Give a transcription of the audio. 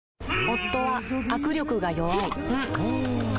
夫は握力が弱い